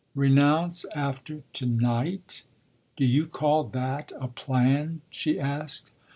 "Renounce after to night? Do you call that a plan?" she asked.